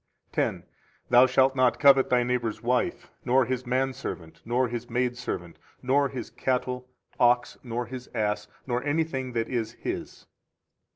10 10. Thou shalt not covet thy neighbor's wife, nor his man servant, nor his maid servant, nor his cattle [ox, nor his ass], nor anything that is his.